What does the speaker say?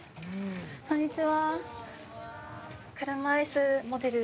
こんにちは。